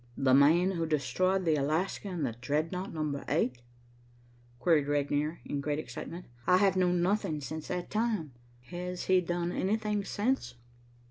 "The man who destroyed the Alaska and the Dreadnought Number 8?" queried Regnier, in great excitement. "I have known nothing since that time. Has he done anything since?"